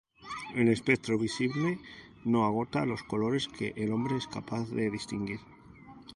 El espectro visible no agota los colores que el hombre es capaz de distinguir.